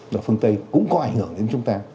và phương tây cũng có ảnh hưởng đến chúng ta